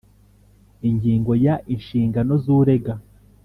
Ingingo ya Inshingano z urega